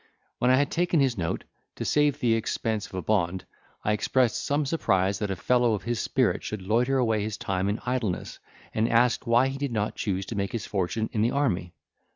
When I had taken his note, to save the expense of a bond, I expressed some surprise that a fellow of his spirit should loiter away his time in idleness, and, asked why he did not choose to make his fortune in the army.